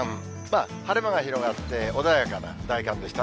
晴れ間が広がって穏やかな大寒でしたね。